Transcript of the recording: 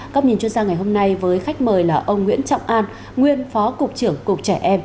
góc nhìn chuyên gia ngày hôm nay với khách mời là ông nguyễn trọng an nguyên phó cục trưởng cục trẻ em